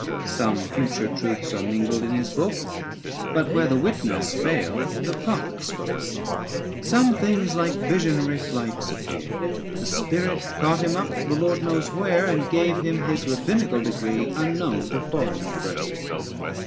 Some future truths are mingled in his book, But where the witness failed, the prophet spoke : 655 Some things like visionary flights appear; The spirit caught him up, the Lord knows where ; And gave him his Rabbinical degree Unknown to foreign University.